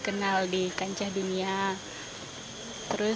menambah gambar dan video itu keren